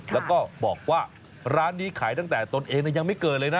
แล้วก็บอกว่าร้านนี้ขายตั้งแต่ตนเองยังไม่เกิดเลยนะ